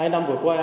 hai năm vừa qua